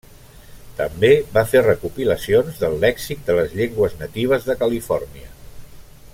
També va fer recopilacions del lèxic de les llengües natives de Califòrnia.